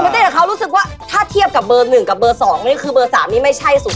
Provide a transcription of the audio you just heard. แต่เขารู้สึกว่าถ้าเทียบกับเบอร์๑กับเบอร์๒นี่คือเบอร์๓นี่ไม่ใช่๐๒